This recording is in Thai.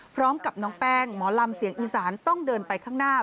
พร้อมกับน้องแป้งหมอลำเสียงอีสานต้องเดินไปข้างหน้า